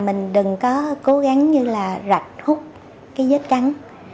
mình đừng có cố gắng như là rạch hút cái vết cắn